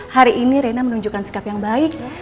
hari ini rena menunjukkan sikap yang baik